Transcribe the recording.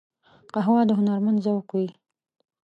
قهوه د هنرمند ذوق وي